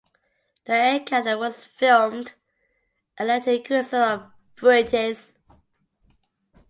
The encounter was filmed and led to criticism of Fuentes.